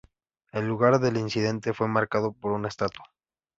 El lugar del incidente fue marcado por una estatua.